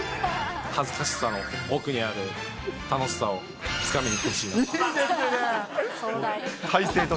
恥ずかしさの奥にある楽しさをつかみにいってほしいなと。